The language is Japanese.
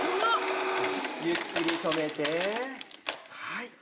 ゆっくり止めてはい。